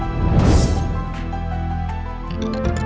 เร็ว